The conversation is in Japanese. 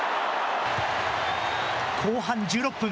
後半１６分。